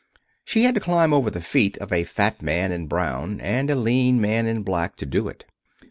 She had to climb over the feet of a fat man in brown and a lean man in black, to do it.